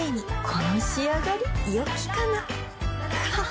この仕上がりよきかなははっ